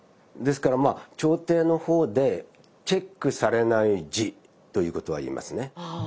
ですから朝廷の方でチェックされない字ということは言えますね。